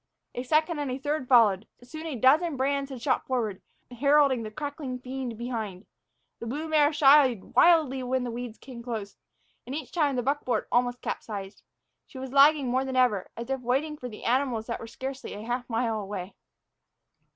A second and a third followed. Soon a dozen brands had shot forward, heralding the crackling fiend behind. The blue mare shied wildly when the weeds came close, and each time the buckboard almost capsized. She was lagging more than ever, as if waiting for the animals that were scarcely a half mile away.